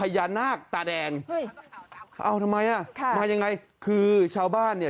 ยาณตาแดงเอ้าทำไมอ่ะค่ะไม่อย่างไรคือชาวบ้านเนี้ย